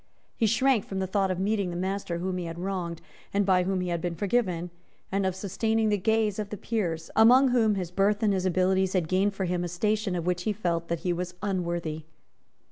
He shrank from the thought of meeting the master whom he had wronged, and by whom he had been forgiven, and of sustaining the gaze of the peers, among whom his birth and his abilities had gained for him a station of which he felt that he was unworthy.